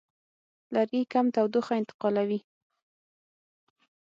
لرګي کم تودوخه انتقالوي.